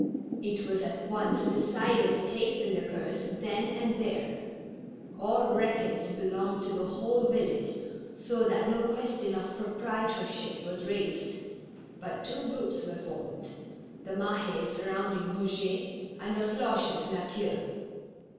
It was at once de cided to taste the liquors then and there ; all wreckage belonged to the whole village, so that no question of proprietorship was raised, but two groups were formed, the Mahes surrounding Eouget, and the Floches La Queue.